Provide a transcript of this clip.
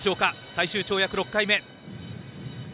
最終跳躍、６回目。